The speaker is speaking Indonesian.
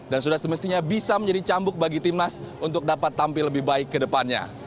dan sudah semestinya bisa menjadi cambuk bagi tim nas untuk dapat tampil lebih baik ke depannya